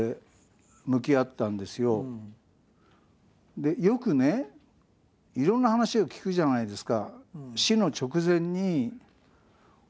でよくねいろんな話を聞くじゃないですか。